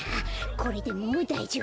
これでもうだいじょうぶ。